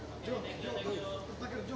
jo terakhir jo